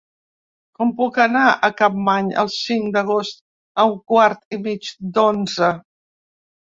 Com puc anar a Capmany el cinc d'agost a un quart i mig d'onze?